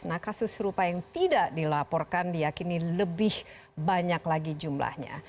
nah kasus serupa yang tidak dilaporkan diakini lebih banyak lagi jumlahnya